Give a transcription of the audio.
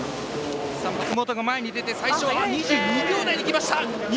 松元が前に出て最初は２２秒台できました！